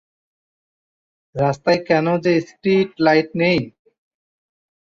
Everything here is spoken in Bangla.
রাস্তায় কেন যে স্ট্রিট-লাইট নেই!